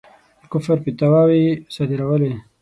د کُفر فتواوې صادرولې.